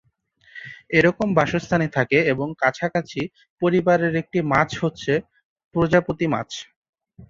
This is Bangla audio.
এরকম বাসস্থানে থাকে এবং কাছাকাছি পরিবারের একটি মাছ হচ্ছে প্রজাপতি মাছ।